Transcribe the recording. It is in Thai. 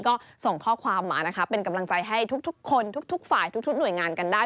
ก็ส่งข้อความมานะคะเป็นกำลังใจให้ทุกคนทุกฝ่ายทุกหน่วยงานกันได้